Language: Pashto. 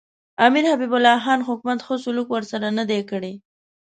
امیر حبیب الله خان حکومت ښه سلوک ورسره نه دی کړی.